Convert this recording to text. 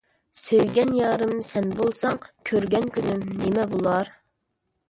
سۆيگەن يارىم سەن بولساڭ، كۆرگەن كۈنۈم نىمە بولار.